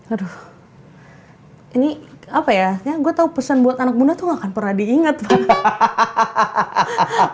aduh ini apa ya ya gue tau pesan buat anak muda tuh nggak akan pernah diinget pak